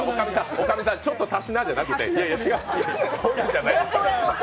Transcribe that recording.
女将さん、ちょっと足しなじゃなくて、違う！